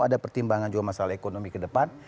ada pertimbangan juga masalah ekonomi ke depan